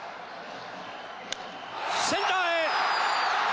センターへ！